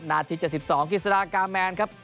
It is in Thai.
นาทิตย์๗๒คริสรากาแมนครับ